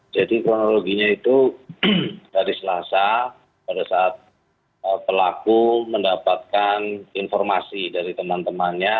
jadi kronologinya itu dari selasa pada saat pelaku mendapatkan informasi dari teman temannya